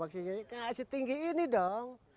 tapi setinggi ini dong